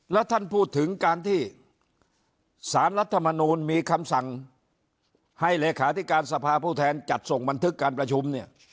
แล้วท่านพูดถึงการที่สารรัฐมนูลมีคำสั่งให้เลขาธิการสภาผู้แทนจัดส่งบันทึกการประชุมเนี่ย